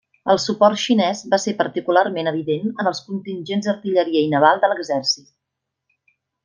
El suport xinès va ser particularment evident en els contingents d'artilleria i naval de l'exèrcit.